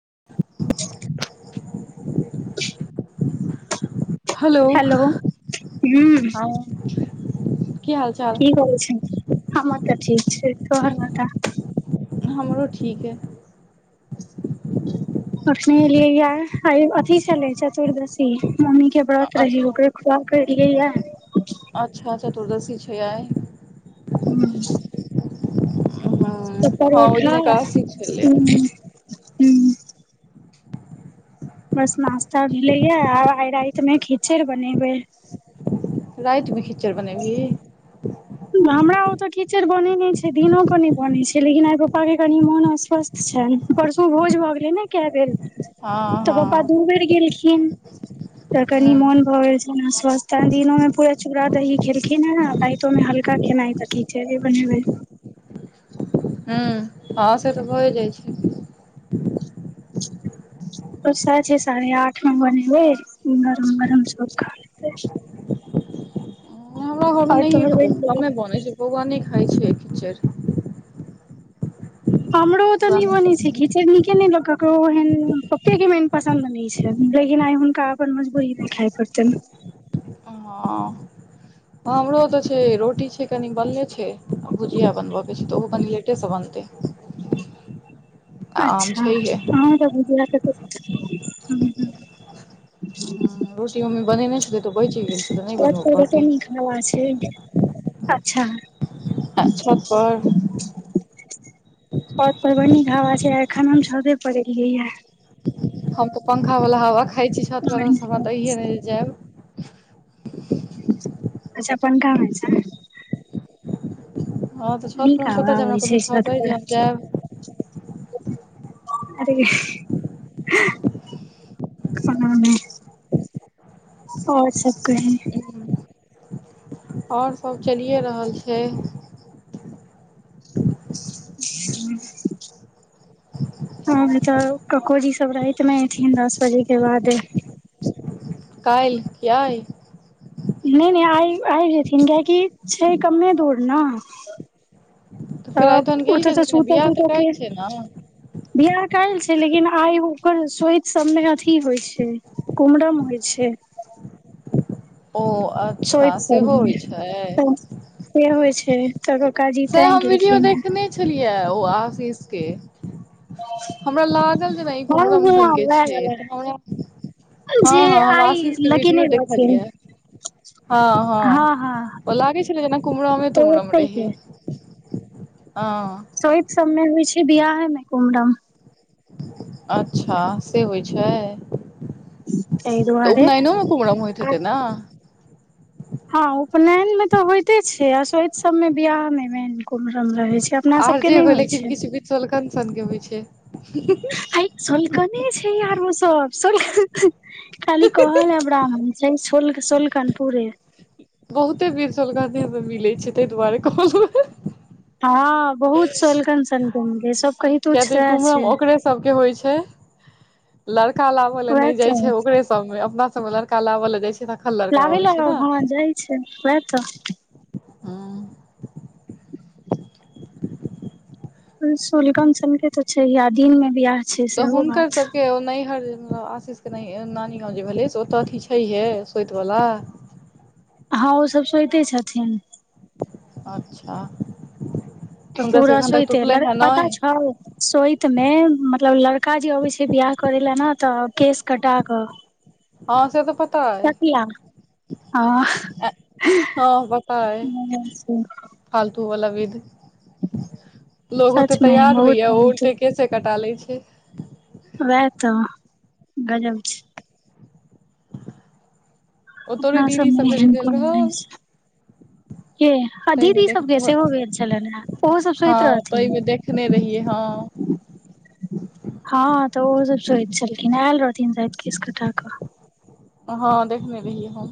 [inaudible] Hello हूँ। हँ की हाल चाल की करय छें हमर तऽ ठीक छैय तोहर बता? हमरो ठीक ये। अखने एलियै य आइ अथी छलय चतुर्दशी। मम्मी के ब्रत रहय अच्छा ओकरे खुआ के एलियै ये। चतुर्दशी छैय आइ। हँ तऽ हँ ओहि दिन परोठा एकादशी छलै हु हु। बस नाास्ता भेलै ये आ आइ रातिमे खिचैड़ बनेबै। राति मे खिचैड़ बनेबही। हमरा ओतऽ खिचैड़ बनय नै छैय दिनो के नहि बनय छैय लेकिन आइ पापा के कनि मोन अस्वस्थ छैय। परसू भोज भऽ गेलै ने कय बेर। हँ तऽ पापा दू हँ बेर गेलखिन तऽ कनि हूँ मोन भऽ गेल अस्वस्थ दिनो में पूरा चूड़ दही खेलखिन ह राातियो मे हल का खेनाय से अथी छैय बनलै। हू हँ से तऽ भए जाय छैय। [inaudible] ओ सांझे साढ़े आठ मे बनेबै नरम नरम चोखा। [unintelligible] अब नहिये उ बनि गेलौ कमे बनय छैय बौआ नहिये खाय छैय खिचैड़। हमरो ओ तऽ नहि बनय छैय पसन्द छै। खिचैड़ नीके ने लो ककरो ओहेन पप्पेके मेन पसन्द नहि छैन्ह लेकिन आइ हुनका अपन मजबूरी मे खाय पड़तनि। हँ [unintelligible] हमरो तऽ छैय रोटी छैय कनि बनले छैय भुजिया बनबऽ के छैय तऽ ओहो कनि लेटेसँ बनतै। आ आम अच्छा छैहे अहाँ तऽ भुजिया [inaudible] हँ रोटी मम्मी बनेने छलय तऽ ओ बचि गेल छैय तऽ नहि पर बनबऽ कते नीक हवा पड़तै। छै अच्छा आ छत पर। छत पर बड़ नीक हावा छैय आ एखन हम छते पर एलियै ये। हम तऽ पंखा वाला हवा खाय छी छत कत स हमरा तऽ ये अहिये ने जे जायब। अच्छा पंखा मे छैं। हँ तऽ छत पर नीक हम हावा कतऽ जायब हमरा आबै कोनो छैय छत अइ जे पर। हम जायब अरे अंह ऐसा गाना दो। आओर सब कही? आओर सभ चलिये रहल छैय। [inaudible] आउ नइ तऽ ककोजी सब राति मे एथिन्ह दस बजे के बादे। काल्हि की आइ? नहि नहि आइ आबि जेथिन्ह कियेकि छैय कमे दूर ने। फेर आइ तहन तऽ ओत गेल गेल सब लेकिन सुूत बियाह तूत तऽ के काल्हि छै ने ओ वियाह काल्हि छियै। लेकिन आइ ओकर सोति सबमे अथी होय छैय कुमरम होय छैय। [unintelligible] ओ अच्छा सेहो होय मे छैय। तऽ से होइ छै तऽ ककाजी से तैं हम वीडियो गेलखिन हेँ। देखने छलियै ओ आशीष के। हमरा लागल जेना ई हँ कुमरम सन हँ के वएह छैय वला हमरा जे हँ हँ हम आइ आशीषके वीडियो लगेने रहथिन देखलियै। हँ हँ ओ लागै छलै जेना कुमरमे तऽ तुमरमे ओतै के रहय। सोइत सबमे होय छैय बियाहे मे कुमरम। अच्छा से होय छैय। तहि तऽ दुआरे उपनयनोमे कुमरम होइत हेतै ने। हँ उपनयन में तऽ होइते छै, अ शोइत सबमें बियाह में मेन कुमरम रहैत छै। अपना सब आर के जे नहि हो, होइ लेकिन छै किछु विध सोलखन सन के होइ छै। हैय सोलकने छै, आर ओ सब सोल। खाली कहल ब्राह्मण छै सोलकन पुरे। बहुते विध सोलकने से मिलै छै, ताहि दुआरे कहलहु हें। हँ बहुत सोलकन सनके मिलैं, सब कहितो किया तऽ सएह छै। कुम्हरम ओकरे सबके होइ छै लड़का लाबै लए वएह नहि जाइ छै तऽ ओकरे सबमें, अपना सबमे लड़का लाबै ल जाइ छै न। लाबै लाय न हां, जाइ छै वैह त। हूं। [unintelligible] सोलकन सन के तऽ छैए या, दिन में वियाह। तऽ हुनकर सबके नैहर। आशीषके नानी गाँव जे भेलै से ओतय की छैहे सोतिवला। हँ ओसभ सोचते छथिन। अच्छा। तऽ हुनकर सबके पूरा एखन तक सोइते, टूटलनि हेँ पता नहि छौ सोइत में मतलब लड़का जे अबै छै बि्य। करा ने तऽ केस कटा क। हँ से तऽ पता अइ। हँ हँ पत्ता अइ। वो वला विध, लोग ओतो सचमे तैयार बहुत होइया ओ बहुत उलटे केस कटा ले छै। ठीक। वएह तऽ गजब छै। ओ अपना तोरे दीदी सबमे सबके जे एहन भेल रहौ कोनो छै। ह ताहिमे दीदी देख सबके सेहो भेल छलनि हे ओहो सब सोइत हँ रहथिन। ताहिमे देखने रहियै हँ हँ तऽ ओहो सब सोइत छलै। इ न आयल रहथिन राइत केश कटा क। हँ देखने रहियै हम।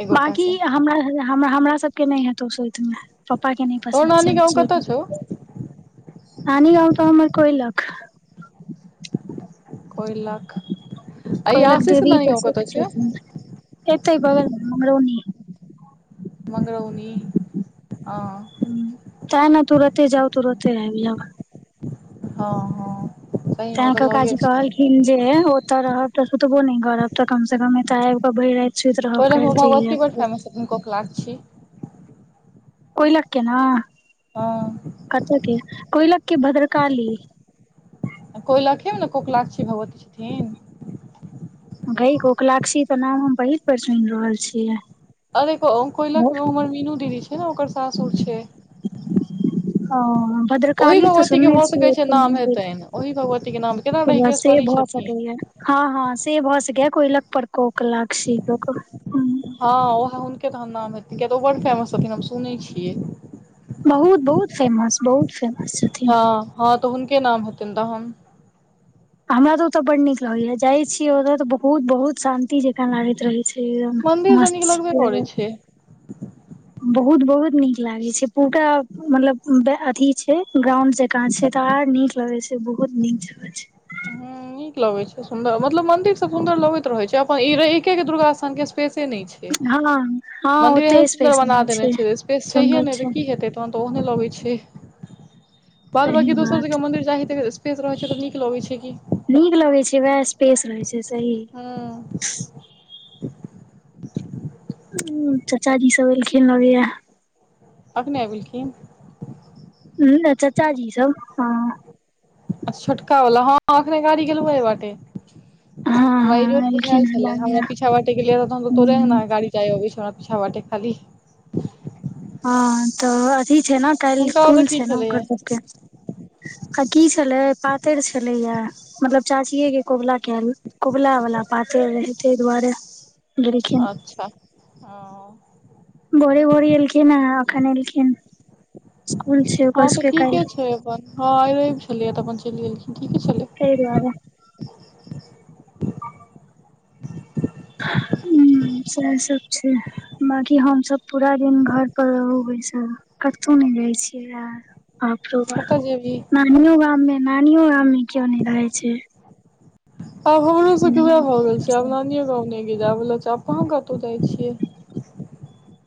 एक गोटा बांकी के हमरा, हमरा सबके नहि हेतौ सोइत। पप्पा के नहि तोहर पसन्द नानी छै गाँव कतऽ सोइत। छौ नानीगाँव तऽ हमर कोइलख। कोइलख। आ ई कोइलक आशीष के देवी नानी त। गाँव कतऽ छै तै बगल मंगरौनी। मगरौनी। ताय ने तूरते जाउ, तूरते आबि जाउ। हँ हँ। तैं सहीमे ओ तऽ लगे ककाजी छै कहलखिन जे ओतऽ रहब तऽ। तबो न करब तऽ कम से कम एतऽ आबिऽ भरि राइत। सुइत रहब, कोइलख कल्हि मे चइल भगवती बड फेमस छथिन जैब। कोकलाक्षी कोइलख के न। हँ कत्तके, कोइलख के भद्रकाली। कोइलखे में ने कोकलाक्षी भगवती छथिन। भई, कोकलाक्षी तऽ नाम हम पहिल पर सुनि रहल छियै। अरे कोइलख में हमर मीनू दीदी छै ओकर सासुर छै। हां। ओहि भद्रकाली तऽ भगवती के सुनने भऽ सकै छियै छै नाम मन्दिर हेतनि ओहि भगवती के नाम केना से रहिकेश्वरी भऽ छथिन सकैैय। हँ हँ से भ सकैये कोइलख पर कोकलाक्षी क के। हँ ओह हुनके तहन नाम हेतै, किय तऽ ओ वर्ल्ड फेमस छथिन हम सुनै छियै। बहुत -बहुत फेमस, बहुत फेमस। छथिन हँ हँ तऽ हुनके नाम हेथिन तहन। हमरा तऽ ओतऽ बड नीक लगैया, जाय छीयै ओतऽ तऽ बहुत-बहुत शान्ति जकाँ लागैत रहै। मंदिर तऽ नीक मस्त लगबे करै [inaudible] छै बहुत-बहुत नीक लागे छै, पूरा मतलब अथी छै ग्राउंड जकाँ छै। आर नीक लगै छै, बहुत नीक जगह छै। ह नीक लगैत छै, सुन्दर मतलब मंदिर सब सुन्दर लगैत रहैत छै, अपन एके दुर्गा स्थान के। स्पेसे नहि छै, हँ हँ मंदिर ओते एहन सुन्दर स्पेस बना नहि देने छै स्पेस छैये सुन्दर नहि तऽ छै की हेतै तखन तऽ ओ। लगै छै, बाद सही बाँकी बात दोसर जगह मंदिर जाइ त स्पेस रहै छै तऽ नीक लग छै। कि नीक लगै छै, उएह स्पेस रहै छै सही। हँ उ चचाजी सब एलखिन लगैये। आबि गेलखिन। चचाजी सब हँ। छोटका वला हँ, अखने गाड़ी गेलौह अइ बाटे। हँ हमरा हँ ईजोत बुझायल एलखिन हँ छले, हमरा लागैया पीछा बाटे गेलियै तखन तऽ तोरे आंगना के गाड़ी जाय-अबै छै। पिछा वाटे खाली। हँ तऽ अथी छै न, काल्हि हुनका कुल ओतऽ की छै ने छलैया ओकर सबके। आ की छलै, पातरि छलैय, मतलब चाचीेये के कबुला कैल, कबुला वाला पातरि। कर रहै ताहि दुआरे। गेलखिन अच्छा ह। भोरे- भोरे एलखिन हे, अखन एलखिन। स्कुल छै हँ ओकर तऽ सबके ठीके काल्हि छै अपन, हँ रइव छलियै तऽ अपन चलि गेलखिन ठीके छै। तै दुआरे। [unintelligible] ह सएह सब छै। बाँकी हमसभ पूरा दिन घर पर रहू बैसल, कतहु नहि जाय छियै आ। बाप रौ बाप, कतऽ जेबही नानीयों गाम में, नानीयों गाम में केओ नहि रहै छै। आब हमरो सबके वएह भऽ गेल छै, आब नानीयो गांव नइ। आब कहां कतहु जाइ छियै।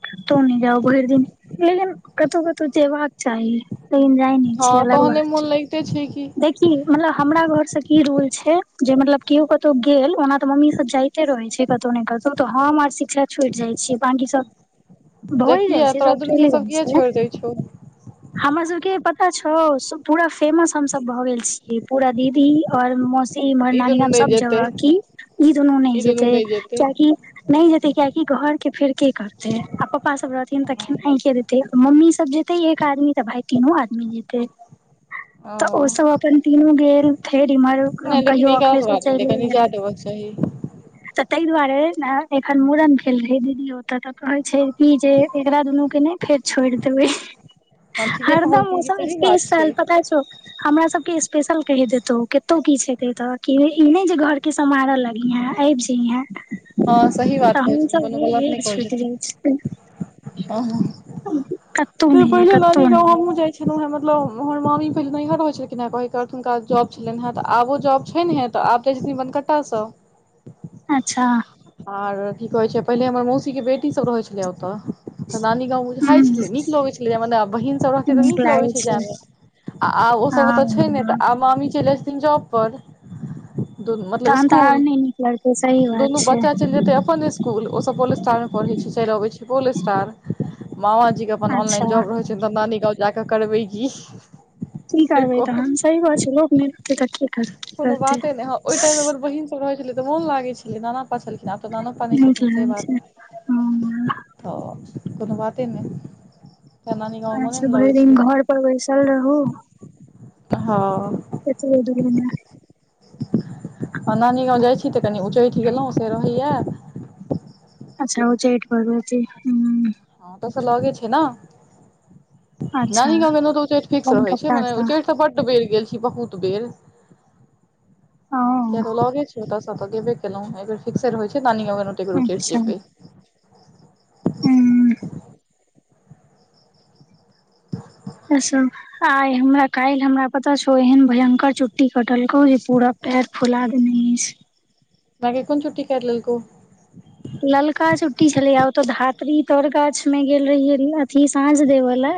कतौ नहि जाउ भरि दिन, लेकिन कत्तो-कत्तौ जेबाक चाही। लेकिन जाय ने हँ छीयै, अलग तहने बात मोन लगिते छै कि देखी मतलब हमरा घर। की रूल छै, जे मतलब केओ कतौ गेल ओना तऽ मम्मी सब जाते रहे छै कतौ ने कतौ त ह। हमर शिक्षा छुटि जाइ छै, बाँकी सब। जे भइ जाइ किया छै, तोरा सब दुनू के चलि जाइ किया छै, छोड़ि दै छौ हमरा सबके। पता छौ, पूरा फेमस हम सब भए गेल छीयै, पूरा दीदी और मस। इम्हर ई दुनू नानी-गाम नहि सब जेतै जगह की इ दुनू न ई दुनू जेतै, नहि जेतै कियाकि न जेते कियाकि। घर के फेर की करते, आ पपा सब रह। तऽ खेनाइ के देतै, मम्मी सब जेते एक आदमी तऽ भाय तीनों आदमी जेतै। तऽ ओ सब अपन तीनू गेल, फेर इम्हर नहि लेकिन कहियो ई गलत अखलेशो बात भेलै चलि कनि गेल। जाय देबक चाही तऽ ताहि दुआरे ने एखन मूड़न भेल रहै दीदी ओतऽ तऽ कहै छै। ई जे एकरा दुनू के ने फेर छोड़ देबै। हँ ठीके हरदम ओ कहलखिन कि सब सही बात छै स्पेशल, पता छौ हमरा सब के स्पेशल कहि देतौ कतौ की छै। ठिके तऽ की, ई नै जे घर के सम्हारऽ लगिहँ। आबि अइहेँ, हँ सही तऽ बात कहै छथिन हमसब कोनो बे गलत नहि बेग कहै छुटि छथिन जाइ छै। हँ कत्तौ से नै ये पहिले कत्तौ नानी नै गाँव ये। हमहुँ जाइ छलहुँ हेँ मतलब हमर मामी पहिले नैहर रहै छलखिन हँ। कहैक अर्थ हुनका जॉब छलनि हँ। तऽ आबो जॉब छैन्हेँ तऽ आब तऽ जे तीमन कत्तऽ सऽ? अच्छा! आर की कहै छै? पहिले हमर मौसीके बेटी सब रहै छलै ओतऽ। तऽ नानी गाँव बुझाय हूँ छलै। नीक लऽगै छलै जायमे ने। बहीनसभ रहतै तऽ नीक लऽगै छै जायमे। आ-आ ओसभ ओतऽ छै नैत, हँ आ मामी चैल एलखिन जॉब पर। त मतलब तहन तऽ आर स्कूल। नहि नीक लगतै सही बात दुनू छै बच्चाक् चलि जेत्तै अपन स्कूल। ओ सब पोलस्टार में पढ़ै छै, चइल अबै छै पोलस्टार। मामा जी के अपन ऑनलाइन अच्छा जॉब रहै छनि तऽ, नानी गाँव जाकऽ करबै की? की से करबै कहू तहन? सही बात छै लोक नै कोनो बाते नै, हँ ओइ टाइम मे अगर बहिन सब रहै छलै तऽ मोन लागै छलै। नाना पा छलखिन्। आब तऽ नानो पा नै नीक छथिन से लागै बात। छै हँ हऽअ कोनो बाते नहि। तऽ नानी गाँव मोने आइसे ने भरि लगै छै दिन घरपर बैसल रहू। हँ। एतबो जरूरी नै। आ नानी गाँंव जाइ छी तऽ, कनी उच्चैठ गेलहुँ से रऽहैयै। अच्छा उच्चैठ भगवती हुँ। हँ ओत्तसऽ लऽगे छै ने। अच्छा नानी गाँव गेलहुँ तऽ उच्चैठ फिक्स रहै छै। मने कलकत्तासँ उच्चैठ तऽ बड्ड बेर गेल छी। की बहूत बेर। किया तऽ ओ लऽगे छै ओतऽसँ। तऽ गेबे केलहुँ। ऐ बेर फिक्से रहै छै। नानी गाँव अगर गेलौँ त एक बेर उच्चैठ अच्छा जेब्बै। हूँ से आइ हमरा काल्हि हमरा पता छौ? एहन भयंकर चुट्टी कटलकौ जे पूरा पैर फुला देन्नीश। बड़ेको नऽ छुट्टी कैर लेलको। प्रीतर गाछ मे गेल रहियै न अथी साँझ देबऽ ले।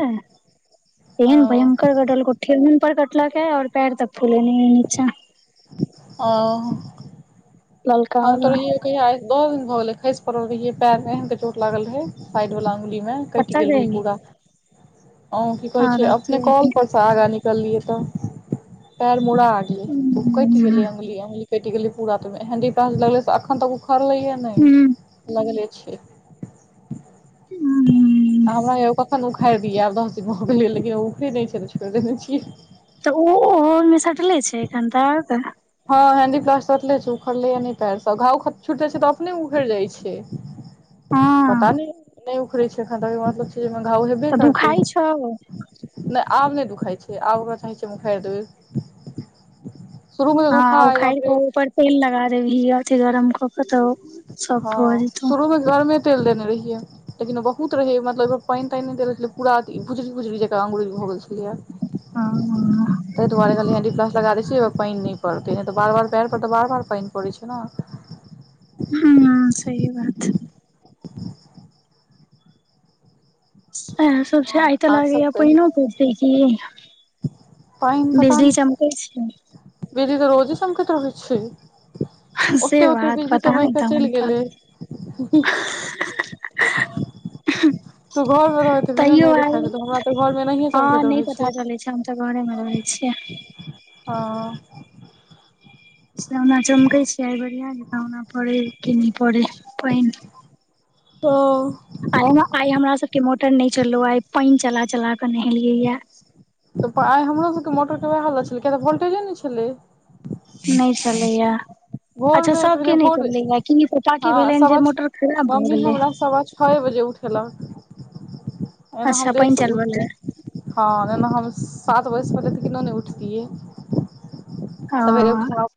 एहेन भयंकर कटलकौ, ठेहुन पर कटलक ए और पैर तक फूलेने ये निच्चाँ। ओह ललका हम तऽ वाला रहियै जे कहिया? दौ दिन भऽ गेलै खसि पड़ल रहियै। पैर मे फेर चोट लागल रहै। साइडवला अङ्गुलीमे कटि पता गेल छै रहै पूरा। ओँ की कहै छै? अपने कऽल परसँ आगाँ निकललियै तऽ। पैर मुड़ा गेलै। तो कटि गेलै हूँ अङ्गुली, अङ्गुली कटि गेलै पूरा तऽ ओइमे हेंडी काल्हि ज लगलै से अक्खन तक उखड़लैैये नै हूँ लगले छै। हूँ आ हमरा हैइये कक्खन ने उख खाइड़ दिये। आब दस दिन भऽ गेलै लेकिन ओ ऊखरै नहि छल। छोइड़ देने छियै। तऽ ऊ ओइमे सटले छै एखन तक? हँ हेंडी प्लास्ट सटले छै। उखड़लैये नहि पैर सऽ। घाव खत् छुटि जाइ छै तऽ अपने उखैड़ जाइ छै। हँ पता नइये नै उखड़ै छै एखन तक। ऐके मतलब जे एखन घाव हेब्बे तऽ दू करतै। खाइ छौ ने आब नै दुखाइ छै, आब ओकरा चाहै छियै हम उखाड़ि देबै। शुरूमे तऽ हँ दुखाइ उखाड़ि बाप के रे ऊपर तेल लगा देबही अथी गरम कऽ के। तऽ सॉफ्ट भऽ हँ, जेतौ शुरू मे गरमे तेल देने रहैये लेकिन बहुत रहय मतलब पानि तानि देल छलै पूरा अथी खुजली खुजली जेकां अंगुरी। भऽ गेल छलैये हँ तहि दुआरे जल्दी जल्दी काम करा दैय छियै ओइ मे पानि नहि पड़तै। तहिया तऽ बार बार पैर पर तऽ बार बार पानि पड़ै छैय ने। हँ सही बात। सेह सब छैय आइ तऽ आर सब लागैये कही पानियों पड़तै की। पानि पता बिजली नहि चमकै छैय। बिजली तऽ रोजे चमकैत रहैत छैय। से ओते ओते बात बिजली पता नहि चमैक के तहन चलि तऽ गेलै। [inaudible] तू घर मे रहै तऽ बिना तैयो नहि आय देखाइत हेतौ हमरा तऽ घर मे एनाहिये हाँ चमकैत नहि रहै पता छै चलै छैय हम त घरे मे रहै छियै। [inaudible] हँ सना चमकै छियै आय बढ़िआँ जेकां ओना पड़ै कि नहि पड़ै पानि। तऽ आइ आइ हमरा सभके मोटर नहि चललौ आइ पानि चला चला कऽ नहेलियैय। एतऽ आइ हमरो सभके मोटर के वैह हालत छलै कियेकि तऽ वोल्टेजे नहि छलै। नहि चलैये। भोर अच्छा मे पहिले सभके नहि भोर चललै आइ कि पापा के हँ भेलैन्ह जे सवा मोटर खराब भऽ गेलै। जे उठि के ला। एना हम अच्छा लेट पानि सँ चलबऽ उठितौ लए हँ एना हम सात बजे से पहिले तऽ किन्हों नहि उठतियै सवेरे हँ उठवा